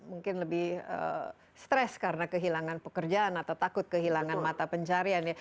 mungkin lebih stres karena kehilangan pekerjaan atau takut kehilangan mata pencarian ya